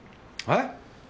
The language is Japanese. はい？